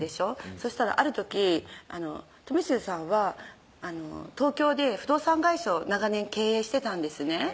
そしたらある時とみしゅうさんは東京で不動産会社を長年経営してたんですね